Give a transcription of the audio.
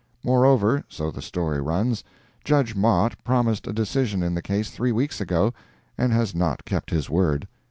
More over—so the story runs—Judge Mott promised a decision in the case three weeks ago, and has not kept his word.